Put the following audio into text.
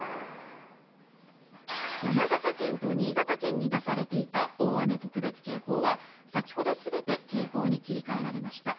山形県と新潟県に出されていた大雨特別警報は先ほど全て警報に切り替えられました。